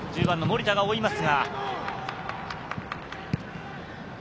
１０番の森田が追いますが。